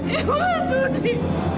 ibu nggak sudi